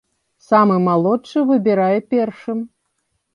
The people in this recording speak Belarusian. Самы малодшы выбірае першым.